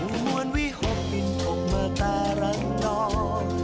หุ้นมวลวิหกปินพกเมอร์ตารังนอ